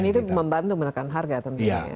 dan itu membantu menekan harga